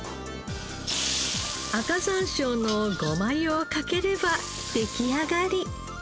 赤山椒のごま油をかければ出来上がり。